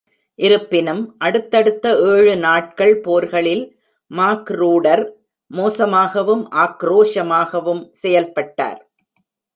இருப்பினும், அடுத்தடுத்த ஏழு நாட்கள் போர்களில் மாக்ரூடர் மோசமாகவும், ஆக்ரோஷமாகவும் செயல்பட்டார்.